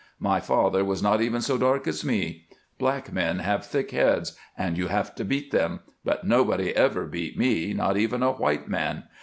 My father was not even so dark as me. Black men have thick heads and you have to beat them, but nobody ever beat me, not even a white man.